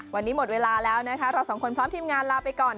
วันนี้หมดเวลาแล้วนะคะเราสองคนพร้อมทีมงานลาไปก่อน